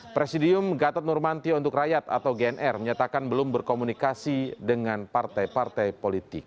presidium gatot nurmantio untuk rakyat atau gnr menyatakan belum berkomunikasi dengan partai partai politik